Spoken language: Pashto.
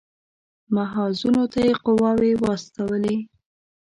محاذونو ته یې قواوې واستولې.